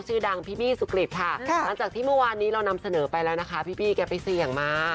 ตั้งทีเมื่อวานนี้เรานำเสนอไปแล้วนะคะพี่พี่เขาไปเสี่ยงมา